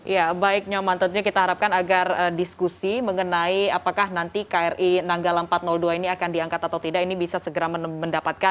ya baiknya mantetnya kita harapkan agar diskusi mengenai apakah nanti kri nanggala empat ratus dua ini akan diangkat atau tidak